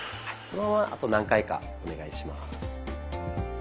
そのままあと何回かお願いします。